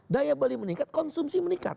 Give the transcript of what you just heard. daya beli meningkat konsumsi meningkat